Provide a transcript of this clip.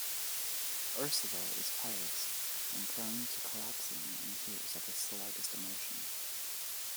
Ursula is pious and prone to collapsing in tears at the slightest emotion.